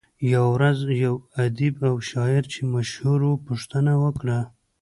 يوه ورځ يو ادیب او شاعر چې مشهور وو پوښتنه وکړه.